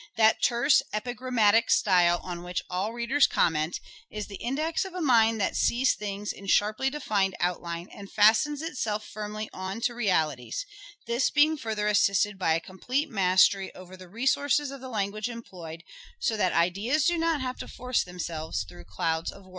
That terse epigrammatic style, on which all readers comment, is the index of a mind that sees things in sharply defined outline and fastens itself firmly on to realities, this being further assisted by a complete mastery over the resources of the language employed, so that ideas do not have to force themselves through clouds of words.